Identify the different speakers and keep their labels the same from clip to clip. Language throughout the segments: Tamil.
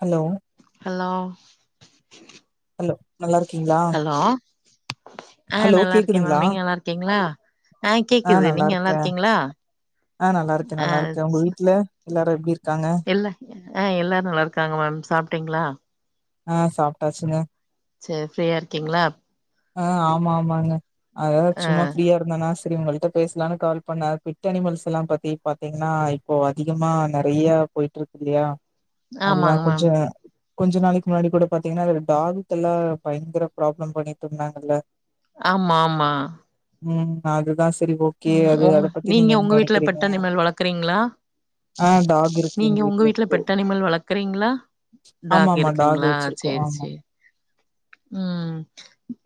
Speaker 1: ஹலோ
Speaker 2: ஹலோ
Speaker 1: ஹலோ நல்லாருக்கீங்ளா
Speaker 2: ஆஹ் நல்லா இருக்கேன் மேம் நீங்க நல்லா இருக்கீங்களா ஆஹ்
Speaker 1: ஆ
Speaker 2: கேக்குது நீங்க நல்லா
Speaker 1: இருக்கே
Speaker 2: இருக்கீங்களா
Speaker 1: ஆ நல்லா இருக்கே
Speaker 2: ஆ
Speaker 1: நல்லா இருக்கே உங்க வீட்டுல எல்லாரும் எப்டி இருக்காங்க
Speaker 2: இல்ல ஆ எல்லாரும் நல்லா இருக்காங்க மேம் சாப்பிட்டீங்களா
Speaker 1: ஆ சாப்ட்டாச்சுங்க
Speaker 2: செர் ஃப்ரீயா இருக்கீங்களா
Speaker 1: ஆ ஆமா ஆமாங்க அதாவது
Speaker 2: ஆ
Speaker 1: சும்மா ஃப்ரீயா இருந்தானா சே சேரி உங்கள்ட்ட பேசலான்னு கால் பண்ணே பிட் அனிமல்ஸ் எல்லாம் பத்தி பாத்தீங்கன்னா இப்போ அதிகமா நெறையா போயிட்டு இருக்கு இல்லையா அது தா
Speaker 2: ஆமாங்க மேம்
Speaker 1: கொஞ்சோ கொஞ்ச நாளைக்கு முன்னாடி கூட பாத்தீங்கன்னா ஒரு டாக்கு தொல்ல பயங்கற ப்ராப்ளம் பண்ணி சொன்னாங்கள
Speaker 2: ஆமா ஆமா
Speaker 1: ம் அதுதா சே
Speaker 2: ம் உங்க நீங்ங உங்க வீட்ல பெட் அணிமல் வளக்றீங்ளா
Speaker 1: ஆ டாக் இருக்கு
Speaker 2: நீங்ங
Speaker 1: எங்க
Speaker 2: உங்க வீட்ல
Speaker 1: இருக்கு
Speaker 2: பெட்டணிமல் வளக்றீங்ளா
Speaker 1: ஆமா
Speaker 2: டாக்
Speaker 1: ஆமா
Speaker 2: இருகுங்ளா
Speaker 1: வச்சிருக்கோம்.
Speaker 2: சேரி
Speaker 1: ஆமா.
Speaker 2: சேரி ம்ம்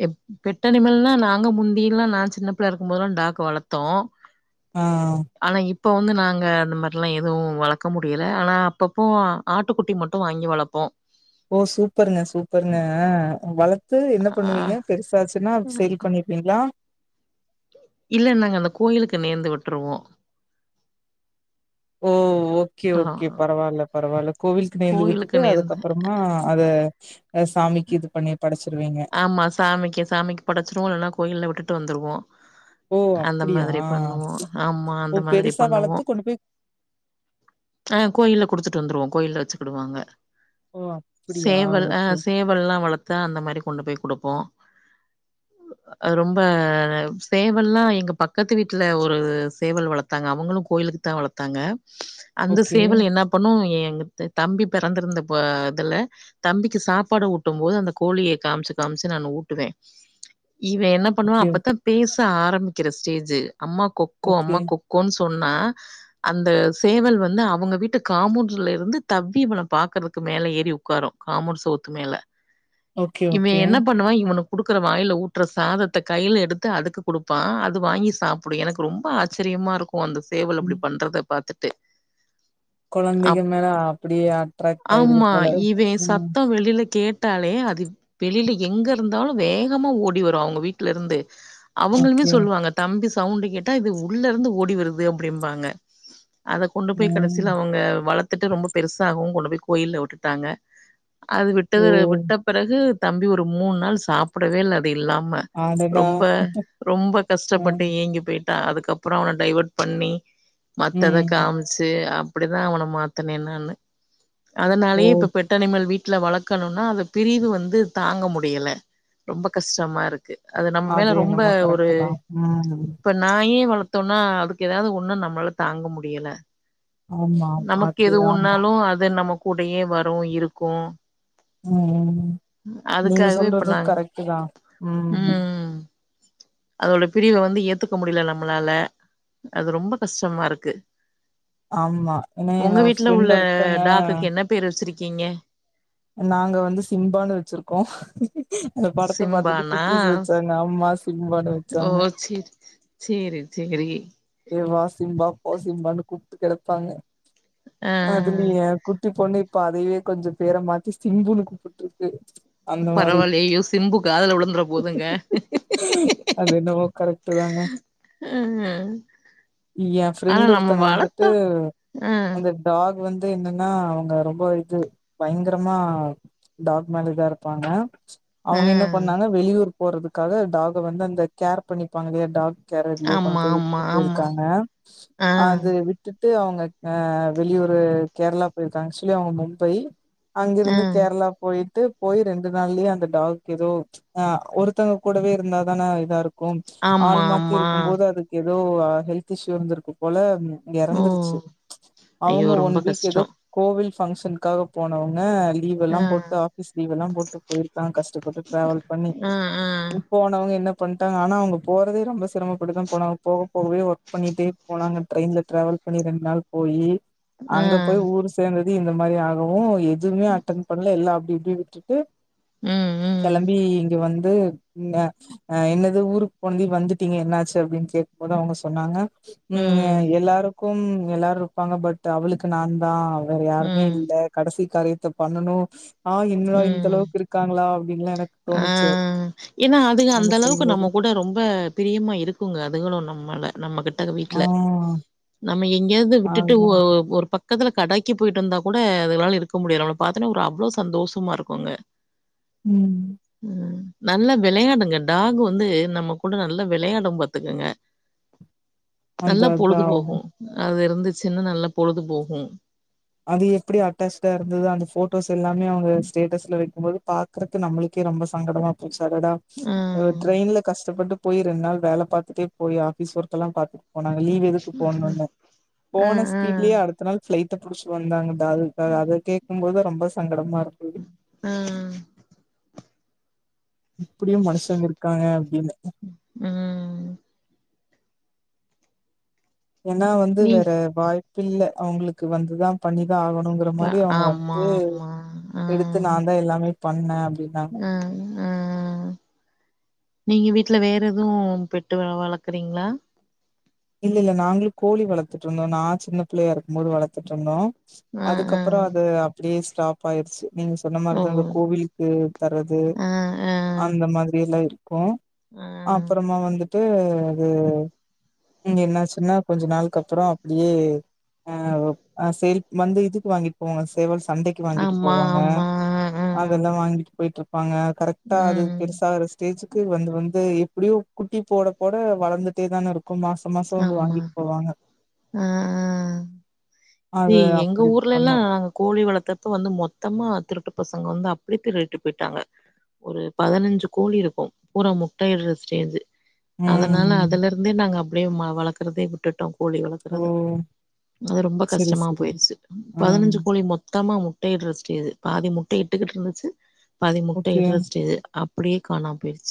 Speaker 2: இப் பெட்டனிமல்லா நாங்க முந்தில்லா நா சின்ன பிள்ளையா இருகுபோதுல்லா டாக் வளத் தோ
Speaker 1: அ
Speaker 2: இப்போ வந்து நாங்க அந்த மாரிலா எதுவு வளக்க முடியல ஆனா அப்பப்போ ஆட்டுகுட்டி மட்டூ வாங்கி வளப்போ
Speaker 1: ஓ சூப்பருங்க சூப்பருங்க வளத்து என்ன
Speaker 2: ஆ
Speaker 1: பணுவீங்க பெருசாச் இதநா செரி பண்ணிருபீங்ளா
Speaker 2: இல்ல நாங்க அந்த கோயிலுக்கு நேந்து விட்ருவோ
Speaker 1: ஓ ஓகே ஓகே பரவால்ல பரவால்ல கோவில் க்கு நேந்து
Speaker 2: கோயிலுக்கு
Speaker 1: விட்டுட்டு
Speaker 2: நேந்து
Speaker 1: அதுகப்றமா அத சாமிக்கி இது பண்ணி படச்சு
Speaker 2: ஆமா சாமிக்கி சாமிக் படச்ருவோ இல்னா கோயில்ல விட்டுட்டு ட்டு வந்ருவோ
Speaker 1: ஓ!
Speaker 2: அந்த
Speaker 1: அப்படியா?
Speaker 2: மாதிரி பண்ணுவோ ஆம்மா
Speaker 1: ஓ!
Speaker 2: அந்த மாதிரி
Speaker 1: பெருசா
Speaker 2: பண்ணுவோ
Speaker 1: வளர்த்து கொண்டு போய்
Speaker 2: அ கோயில்ல கொடுதுட்டு வந்ருவோ கோயில்ல வச்சுகிடுவாங்க
Speaker 1: ஓ! அப்படியா?
Speaker 2: சேவல் அ
Speaker 1: ஓகே,
Speaker 2: சேவல்லா வளத்தா அந்த மாரி பேய் குடுப்போ அது ரொம்ப சேவல்லா எங்க பக்கத்து வீட்ல ஒரு சேவல் வளத்தாங்க அவங்ளூ கோயிலுகு தா வளதாங்க அந்த
Speaker 1: ஓகே.
Speaker 2: சேவல் என்னா பண்ணூ ஏ தம்பி பெறந்திருந்தபோ இதுல தம்பிகு சாப்பாடு ஊட்டும் போது அந்த கோழிய காம்சு காம்சு நானு ஊட்டுவே இவ என்ன பண்ணுவா
Speaker 1: ஓகே,
Speaker 2: அப்பதா பேச இதா ஆரம்க்கிற ஸ்டேஜு அம்மா கொக்கோ
Speaker 1: ஓகே.
Speaker 2: அம்மா கொக்கோனு சொ சொன்னா அந்த சேவல் வந்து அவுங்க வீட்டு காமோன்ட்ல இருந்து தவ்வி இவள பாக்றகு மேல ஏறி உக்காரூ காமோன்ட் செவுத்து மேல
Speaker 1: ஓகே,
Speaker 2: இவ்வே
Speaker 1: ஓகே.
Speaker 2: என்ன பண்ணுவா இவனுக் குடுக்குற வாயில்ல ஊட்ற சாதத்த கையில எடுத்து அதுக்கு குடுபா அது வாங்கி சாப்டு எனக்கு ரொம்ப ஆச்சரியமா இருக்கு ஒ அந்த சேவல் அப்டி பண்றத பாத்துட்டு
Speaker 1: கொழந்தைங்க
Speaker 2: அப்
Speaker 1: மேல அப்டியே அட்ராக்ட் ஆய்டுது
Speaker 2: ஆமா.
Speaker 1: போல ம்
Speaker 2: பட்டாலே அது வெளியில எங்க இருந்தாலு வேகமா ஓடி வரு அவுங்க வீட்ல இருந்து அவுங்ளுமே
Speaker 1: ஓகே.
Speaker 2: சொல்வாங்க தம்பி சவுண்ட கேட்டா இது உள்ள இருந்து ஓடி வருது அப்படிம்பாங்க அத கொண்டு போய்
Speaker 1: ம்.
Speaker 2: கடைசில அவுங்க வளத்துட்டு ரொம்ப பெருசாகவு கொண் போய் கோயில்ல வுட்டுட்டாங்க. அது
Speaker 1: ஓ!
Speaker 2: விட்டது விட்ட பிறகு தம்பி ஒரு மூணு நாள் சாப்பிடவே இல்ல இல்லாம
Speaker 1: அடடா!
Speaker 2: ரொம்ப ரொம்ப கஷ்டப்பட்டு
Speaker 1: ம்,
Speaker 2: ஏங்கி போயிட் த அதுக்கப்புறோ அவன டைவட் பண்ணி மத்தத
Speaker 1: ம்.
Speaker 2: காம்ச்சி அ அப்படிதா அவன மாத்தன நானு.
Speaker 1: ஓ!
Speaker 2: அதனாலயே இப்ப பெட் அனிமல் வீட் ல வளக்கணுனா அது பிரிவு வந்து தாங்க முடியல ரொம்ப கஷ்டமா இருக்கு. அது நம்ம மேல ரொம்ப
Speaker 1: என்னமோ
Speaker 2: ஒரு
Speaker 1: கரெக்ட்டு தான். ம்.
Speaker 2: இப்ப நாயே வளத் த்தோன்னா அதுக்கு ஏதாவது ஒண்ணு நம்மளால தாங்க முடியல
Speaker 1: ஆமா, ஆமா.
Speaker 2: நமக்கு
Speaker 1: அது
Speaker 2: எது
Speaker 1: ஆமா.
Speaker 2: ஒண்ணாலு அது நமக் கூடயே வரு இருக்கு
Speaker 1: ம் நீங்க
Speaker 2: அதுக்காகவே இப்ப
Speaker 1: சொல்றது
Speaker 2: நாங்க
Speaker 1: கரெட்டு தா ம்.
Speaker 2: அதோட பிரிவ வந்து ஏத்துக்க முடியல நம்மளால அது ரொம்ப கஷ்டமா இருக்கு.
Speaker 1: ஆமா ஏனா என்
Speaker 2: உங்க
Speaker 1: ஒரு ஃப்ரெண்ட் ஒருத்தங்க
Speaker 2: கிங்க
Speaker 1: நாங்க வந்து சிம்பானு வச்சிருக்கோ. படத்த பாத்துட்டு
Speaker 2: சிம்பானா
Speaker 1: குட்டிஸ் வச்சாங்க அம்மா சிம்பான்னு
Speaker 2: ஓ
Speaker 1: வச்சாங்க.
Speaker 2: செரி செரி செரி.
Speaker 1: ஏ வா சிம்பா போ சிம்பான்னு கூப்படு கெடப்பாங்க
Speaker 2: ஆ
Speaker 1: அதுலயா குட் டி பொண்ணு இப்ப அதயே கொஞ்சோ பேர மாத்தி சிம்புனு கூப்பிட்ருக்கு
Speaker 2: பரவாயில்ல அய்யோ சிம்பு காதுல விழுந்துற போதுங்க
Speaker 1: அது என்னவோ
Speaker 2: அஆ
Speaker 1: ஏ ஃப்ரெண்ட் ஒருத்தங்க வந்துட்டு
Speaker 2: ம்
Speaker 1: அந்த டாக் வந் து என்னன்னா அவங்க ரொம்ப இது பயங்கரமா டாக் மேல இதாருப்பாங்க அவங்க என்ன
Speaker 2: ம்
Speaker 1: பண்ணாங்க வெளியூர் போறதுக்காக டாக வந்து அந்த கேர் பண்ணிப்பாங்கல்லையா டாக் கேரட்ல
Speaker 2: ஆமா ஆமா
Speaker 1: [unintelligible]
Speaker 2: ஆமா
Speaker 1: காங்க
Speaker 2: ஆ
Speaker 1: அது விட்டுட் டு அவங்க ஆ வெளியூரு கேரளா போயிருக்காங்க ஆக்சுவலி அவங்க மும்பை அங்கிருந்து
Speaker 2: ம்
Speaker 1: கேரளா போயிட்டு போய் ரெண்டு நாள்லயே அந்த டாக்கு ஏதோ ஆ ஒருத்தவங்க கூடவே இருந்தா தான இதாருக் கூ
Speaker 2: ஆமா
Speaker 1: ஆள் மாத்தி
Speaker 2: ஆமா
Speaker 1: இருக்கும்போது அதுக்கு எ தோ அ ஹெல்த் இஷ்யூ இருந்திருக்கு போல
Speaker 2: ஓ
Speaker 1: எறந்துருச்சு
Speaker 2: ஐயோ
Speaker 1: அவங்க ஒன்
Speaker 2: ரொம்ப
Speaker 1: வீக் ஏதோ
Speaker 2: கஷ்டோ
Speaker 1: கோவில் ஃபங்க்ஷன்காக போனவுங்க லீவ் எல்லா
Speaker 2: ஆ
Speaker 1: போட்டு ஆஃபீஸ் லீவ் எல்லா போட்டு போயிருக்காங்க கஷ்டப்பட்டு ட்ராவல் பண்ணி
Speaker 2: ஆ ஆ
Speaker 1: இப்போனவங்க என்ன பண்ட்டாங்க ஆனா அவுங்க போறதே ரொம்ப சிரமபடு தா போனாங்க போக போகவே ஒ பண்ணிட்டே போனாங்க ட்ரெயின்ல ட்ராவல் பண்ணி ரெண்டு நாள் போயி
Speaker 2: ஆ
Speaker 1: அங்க போய் ஊர் சேந்தத் து இந்த மாரி ஆகவூ எத் துமே அட்டண் பண்ல எல்லா அப்டிப் டி விட்டுட்டு
Speaker 2: ம் ம்
Speaker 1: கெளம்பி இங்க வந் ந்து இங்க என்னது ஊருக்கு போனது வந்துட்டீங்க என்னாச்சு அப்டின்னு கேக்குபோது அவங்க சொ சொன்னாங்க ம் எல்லாரக் க்கும் எல்லாரூ இருப்பாங்க பட் அவளுக்கு நான் தா வேற யாருமே
Speaker 2: ம்
Speaker 1: இல்ல கடசி காரியத்த பண்ணணூ ஆ என்னடா இந்தளவுக்கு இருக்காங்களா அப்
Speaker 2: ஆஹ் ஏன்னா அதுக அந்த
Speaker 1: அவங்க
Speaker 2: அளவுக்கு
Speaker 1: சொல்லும்போது
Speaker 2: நம்ம கூட ரொம்ப பிரியமா இருக்குங்க அதுங்களு நம்மள நம்ம கிட்ட
Speaker 1: ஆ
Speaker 2: வீட்ல நாப் நம்ம எங்கேயாவது விட்டுட்டு
Speaker 1: ஆமா
Speaker 2: ஒரு பக் பக்கத்துல கடாக்கி போயிட்டு வந்தா கூட அதுகளால இருக்க முடியாது அவன பாத்தன்னா ஒரு அவ்வளவு சந்தோஷமா இருக்கும்ங்க
Speaker 1: உம்
Speaker 2: ம் நல்லா வெளையாடுங்க டாக்கு வந்து நம்ம கூட நல்லா வெளையாடு பாத்துக்கங்க நல்லா
Speaker 1: அதா அதா
Speaker 2: பொழுதுபோகும் அது இருந் இருந்துச்சின்ன்னு நல்லா பொழுது போகூ
Speaker 1: அது எப்படி அட்டாச்டா இருந்தது அந்த போட்டோஸ் எல்லாமே அவுங்க ஸ்டேட்டஸ்ல வைக்கும் போது பாக்குறதுக்கு நம்மலுக்கே ரொம்ப சங்கடமா போச்சு தடடா
Speaker 2: ஆ
Speaker 1: ட்ரெயின்ல கஷ்டப்பட்டு போய் ரெண்டு நாள் வேல பாத்துட்டே போய் ஆபிஸ் ஒர்கெல்லாம் பாார்த் போனாங்க லீவ் எதுக்கு போட்ணும்னு
Speaker 2: ஆ
Speaker 1: போன
Speaker 2: ஆ
Speaker 1: ஸ்பிட்லயே அடுத்த நாள் ஃபிளைட் புடிச்சு வந்தாங்க அது அது கேட்கும் போது ரொம்ப சங்கடமா இருந்தது
Speaker 2: ஆ
Speaker 1: இப்டியும் மனசங்கருக்குராங்க அப்டின்னு
Speaker 2: ம்
Speaker 1: ஏன்னா வந்து
Speaker 2: நீ
Speaker 1: வேற வாய்ப் பிள்ள அவுங்களுக்கு வந்துதான் பண்ணி ஆகணுங்கிற
Speaker 2: ப
Speaker 1: மாரி அவுங்க
Speaker 2: ஆமா
Speaker 1: வந்து
Speaker 2: ஆமா
Speaker 1: எடுத்து நான் தான் எல்லாமே பண்ண
Speaker 2: ஆஹ் ஆஹ் நீங்க விட் வீட்ல வேற எதுவும் பெட்டு வளர்க்குறீங்களா
Speaker 1: இல்ல இல்ல நாங்களும் கோழி வளர்த்துட்டு இருந்தோ நான் சின்ன பிள்ளையா இருக்கூ போது வளர்த்துட்டு இருந்தோ
Speaker 2: ஆ ஆ
Speaker 1: அதுக்கப்பறோ அது அப்டியே ஸ்டாப் ஆயிருச்சு நீங்க சொன்ன
Speaker 2: ஓ
Speaker 1: மாரிதா அந்த கோவிலுக்கு தரது
Speaker 2: ஆ ஆ
Speaker 1: அந்த மாரிலாம் இருக்கூ
Speaker 2: ஆ
Speaker 1: அப்பறமா வந்துட்டு அது இங்க என்னச்சுன்னா கொஞ்சோ நாளுக்கப்றோ அப்டியே அ சேல் வந்து இதுக்கு வாங்கிட்டு போவாங்க சேவல் சண்டைக்கு வாங்கிட்டு
Speaker 2: ஆமா
Speaker 1: போவாங்க
Speaker 2: ஆமா ஆ
Speaker 1: அதெல்லாம் வாங்கிட்டு போய்ட்டு ப்பங்க கரெக்டா அது
Speaker 2: ம்
Speaker 1: பெருசாகற ஸ்டேஜ் வந்து வந்து எப்டியோ குட்டி போட போட வளந்துட்டே தானே இருக்கூ மாச மாசோ வந்து
Speaker 2: ஆமா
Speaker 1: வாங்கிட்டு போவாங்க
Speaker 2: ஆ ஆ இது
Speaker 1: அது
Speaker 2: எங்க
Speaker 1: அப்டி
Speaker 2: ஊர்ல எல்லா
Speaker 1: பண்ணோ
Speaker 2: கோ ழி வளர்த்தப்ப வந்து மொத்தமா திருட்டு பசங்க வந்து அப்டி திருடிட்டு போயிட்டாங்க ஒரு பதினஞ்சு கோழி இருக்கும் பூரா முட்டைிஇடுற ஸ்டேஜ் அதனால
Speaker 1: ம்.
Speaker 2: அதுல இருந்தே நாங்க அப்படி வளர்க்கறதே விட்டுட்டோம் கோழி
Speaker 1: ஓ!
Speaker 2: வளர்க்றத அது ரொம்ப
Speaker 1: சரி,
Speaker 2: கஷ்டமா
Speaker 1: சரி.
Speaker 2: போயிருச்சு
Speaker 1: ஆ.
Speaker 2: பதினஞ்சு கோழி மொத்தமா முட் முட்டயிடற ஸ்டேஜ் பாதி முட்டை இட்டுக்கிட்டு இருந்துச்சு பாதி முட்டை
Speaker 1: ஓகே.
Speaker 2: இடுற ஸ்டேஜ் அப் அப்டியே காணாம போயிருச்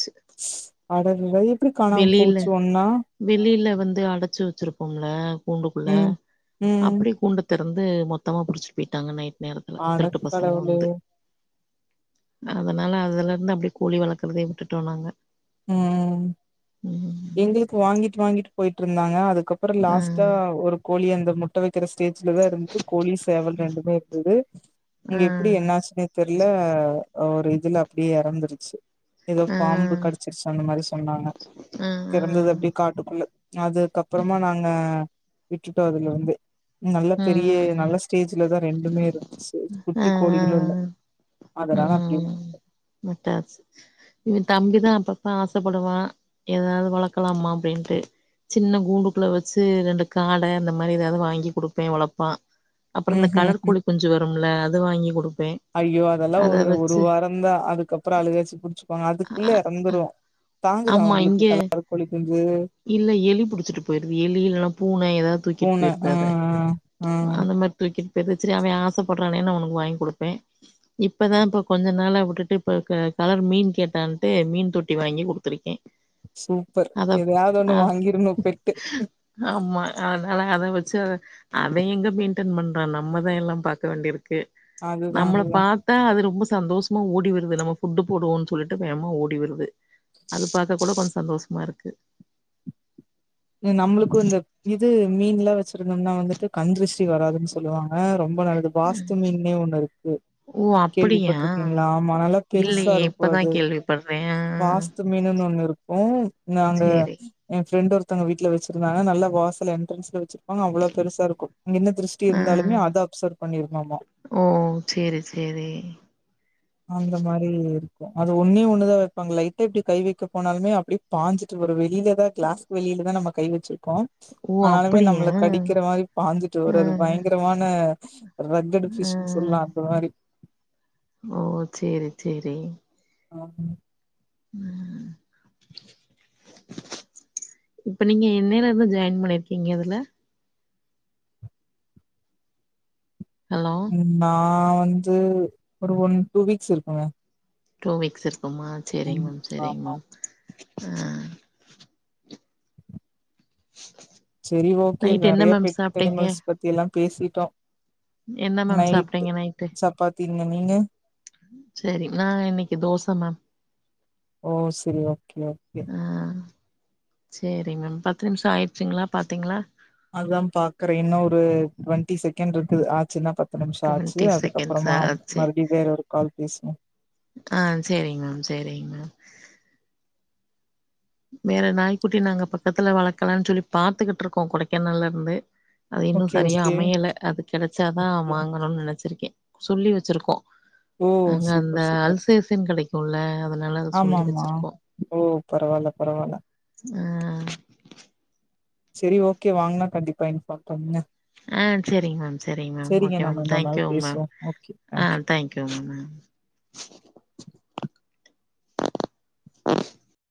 Speaker 1: அடடடா எப்டி காணாம
Speaker 2: வெளியில
Speaker 1: போச்சு ஒன்னா
Speaker 2: வெளியில வந்து அடச்சு வெச்சிருப்போம்ல கூண்டுக்குள்ள
Speaker 1: ம். ம்.
Speaker 2: அப்டி கூண்ட திறந்து மொத்தமா புடிச்சிட் போயிட்டாங்க நைட் நேரத்துல
Speaker 1: அட
Speaker 2: திருட்டு பசங்க
Speaker 1: கடவுளே
Speaker 2: வந்து அதனால அதுல இருந்து அப்டி கோழி வளக்குறதயே விட்டுட்டோ நாங்க
Speaker 1: ம்
Speaker 2: ம்
Speaker 1: எங்களுக்கு வாங்கிட்டு வாங்கிட்டு போயிட் ருந்தாங்க அது க்கப்றோ
Speaker 2: ஆ
Speaker 1: லாஸ்ட்டா ஒரு கோழி அந்த முட் ஸ்டேஜ்லதா இருந்ச்சு கோழி சேவல் ரெண்டுமே இருந்துது
Speaker 2: ஆ
Speaker 1: இங்க எப்டி என்னாச்சுனே தெர் இல்ல ஒரு இதுல அப்டியே எறந்துருச்சு
Speaker 2: ம்
Speaker 1: கடைச் அந்த மாரி சொன்னாங்க தெறந்தது அப்டி காட்டு இல்ல அதுக்கப்றமா நாங்க விட்டுட்டோ அதுலருந்தே நல்ல பெரிய
Speaker 2: ம்
Speaker 1: நல்ல ஸ்டேஜ்லதா ரெண்டுமே இருந்துச்சி
Speaker 2: ஆ
Speaker 1: குட்டி
Speaker 2: ஆ
Speaker 1: கோலிகளு இல்ல அதனால் அப்டி விட்டோ
Speaker 2: மட்டாச்சு எ தம்பிதா அப்பப்ப ஆசப்படுவா ஏதாது வளக்கலாமா அப்டின்ட்டு சின்ன கூண்டுக்குள்ள வச்சு ரெண்டு காட அந்த மாரி ஏதாது வாங்கி குடுப்பே வளபா அப்றோ இந்த
Speaker 1: ம் ம்
Speaker 2: கலர்
Speaker 1: ம்
Speaker 2: கொலி குஞ்சு வரும் ல அது வாங்கி குடு
Speaker 1: ஐயோ அதெல்லா ஒரு ஒரு வாரோ தா அதுக்கப்றோ அலுகாச்சு புடிச்சுப்பாங்க அதுக்குள்ள எறந்ரோ தாங்குதா
Speaker 2: ஆமா
Speaker 1: உங்களுக்கு
Speaker 2: இங்க
Speaker 1: கல கொலிக்
Speaker 2: இல்ல எலி புடிச்சிட்டு போயிருது எலி இல்ல பூன ஏதாது தூக்கிட்டு
Speaker 1: பூன
Speaker 2: போயிருது
Speaker 1: ஆ
Speaker 2: அத
Speaker 1: ஆ ஆ
Speaker 2: அந்த மாரி தூக்கிட் இப்போ எதச்சரி அவ ச ஆசப்பறானேனு அவனுக்கு வாங்கி குடுப்பே இப்போ தா இப்போ கொஞ்ச நாள விட்டுட்டு இப்போ க கலர் மீன் கேட்டான்ட்டு மீன் தொட்டி வாங்கி குடுத்துருக்கே
Speaker 1: சூப்பர்
Speaker 2: அத
Speaker 1: எதா ஒண்ணு
Speaker 2: அத
Speaker 1: வாங்கிர்ணோ பெட்டு
Speaker 2: ஆமா அதனால அத வச்சு அத அத எங்க மெயின்டென் பண்றா நம்ம தா எல்லா பாக்க வேண்டிருக் க்கு
Speaker 1: அதுதா
Speaker 2: நம்மள
Speaker 1: அதுதா
Speaker 2: பாத்தா அது ரொம்ப சந்தோஷமா ஓடி வருது நம்ம ஃபுட்டு் போடுவோன்னு சொல்லிட்டு வேகமா ஓடி வருது அது பாத்த கூட கொஞ்சோ சந்தோஷமா இருக்கு
Speaker 1: நம்மளுக்கு இந்த இது மீன்லா வச் இருந்துருந்தா வந்துட்டு கண்திருஷ்டி வராதுன்னு சொல்லுவாங்க ரொம் ரொம்ப நல்லது வாஸ்து மீனுமே ஒண்ணு இருக்கு
Speaker 2: ஓ அப்படியா
Speaker 1: கேள்விப்பட்டிருக்கீங்களா ஆமா நல்லா பெருசா
Speaker 2: இல்லையே
Speaker 1: இருக்கு
Speaker 2: இப்பதா
Speaker 1: அது
Speaker 2: கேள்விப்பட்றே ஆ
Speaker 1: வாஸ்து மீனுன்னு ஒண்ணு இருக் உம் நாங்க
Speaker 2: சேரி
Speaker 1: எ ஃப்ரெண்டு ஒரு த்தங்க வீட்ல வச்சிருந்தாங்கனா நல்ல வாசல என்ட்ரன்ஸ்ல வச்சு ஆனா அவ்ளோ பெருசா இருக்கு இங்க என்ன திருஷ்டி
Speaker 2: ஆ
Speaker 1: இருந்தாலுமே அத அப்சர்வ் பண்ணிருமாமா
Speaker 2: ஓ சேரி சேரி
Speaker 1: அந்த மாரி இருக்கு அது ஒன்னே ஒண்ணுதா வைப்பாங்க லைட்டா இப்படி கை வைக்க போனாலுமே அப்டே பாஞ்சிட்டு வருவே ந்ததா க்ளாஸ் வெளியிலதா நமக்கு கை வச்சுரு க்கு
Speaker 2: ஓ
Speaker 1: ஆனாலுமே
Speaker 2: அப்படியா
Speaker 1: நம்மள கடிக்கிற மாதிரி பாஞ்சுட்டு
Speaker 2: ஆ
Speaker 1: வறது பயங்கரமான [inaudible] ரெக்கடு
Speaker 2: ஆ
Speaker 1: பீஸுன்னு சொல்லா அந்த மாரி
Speaker 2: ஓ சேரி சேரி
Speaker 1: ஆஹ்
Speaker 2: ஆஹ் இப்ப நீங்க என்னைலருந்து ஜாயின் பண்ணிருக்கீங்க இதுல ஹலோ
Speaker 1: உம் நா நா வந்து ஒரு ஒன் டூ வீக்ஸ் இருக்குங்க
Speaker 2: டூ வீக்ஸ் இருக் க்குமா
Speaker 1: ம்
Speaker 2: சரிங்க மேம் சரிங்க
Speaker 1: ஆமா
Speaker 2: மேம் ஆஹ்
Speaker 1: சேரி ஓகே
Speaker 2: நைட் என்ன
Speaker 1: நெறைய
Speaker 2: மேம்
Speaker 1: பெட்
Speaker 2: சாப்ட்டீங்க
Speaker 1: அணிமள்ஸ் பத்தில்லா பேசிட்டோ
Speaker 2: என்ன மேம் சாப்ட்டீங்க
Speaker 1: நைட்டு்
Speaker 2: நைட்டு
Speaker 1: சப்பாத்திங்கங் நீங்க
Speaker 2: சேரி நா இன்னைக்கு தோச மேம்
Speaker 1: ஓ செரி ஓகே ஓகே
Speaker 2: ஆஹ் சேரி மேம் பத்து நிமிஷோ ஆயிடுச்சுங்களா பாத்தீங்களா
Speaker 1: அதுதா பாக்குறே இன்னோ ஒரு டுவெண்டி செகண்ட் இருக்குது ஆச்சுன்னா பாத்
Speaker 2: டொண்ட்டி செகண்ட்ஸா ஆச்சு
Speaker 1: மறுபடியு வேற ஒரு கால் பேசுவோ
Speaker 2: ஆஹ் சேரிங் மேம் சேரிங் மேம் வேற நாய்குட்டி நாங்க பக்கத்துல வளக்கலான்னு சொல்லி பாத்துக்கிட்டு இருக்கோம் கொடைக்கானல்ல இருந்து அது இன்னும்
Speaker 1: ஓகே
Speaker 2: சரியா
Speaker 1: ஓகே
Speaker 2: அமையல அது கெடச்சாதா வாங்கணுன்னு நெனைச்சிருக்கேன் சொல்லி வெச்சிருக்கோம்
Speaker 1: ஓ
Speaker 2: அங்க அந்த
Speaker 1: சூப்பர் சூப்பர்
Speaker 2: அல்சேசன் கெடைக் உள்ள அதுல
Speaker 1: ஆமா ஆமா ஓ பரவால்ல பரவால்ல
Speaker 2: ம்ம்
Speaker 1: சேரி ஓககே வாங்குனா கண்டிப்பா இன்ஃபார்ம் பண்ணுங்க
Speaker 2: ஆஹ் சேரிங் மேம் சேரிங் மேம்
Speaker 1: செரிங்க
Speaker 2: ஓகே மேம்
Speaker 1: நம்ம இன்னொரு
Speaker 2: தேங்கியூ
Speaker 1: நாள்
Speaker 2: மேம்
Speaker 1: பேசுவோ ஓகே தேங்க்யூ
Speaker 2: ஆஹ் தேங்கியூ மேம்